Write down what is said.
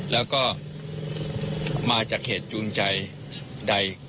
แล้วก็มาจากเหตุจูงใจใด